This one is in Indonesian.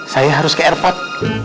saya harus ke airport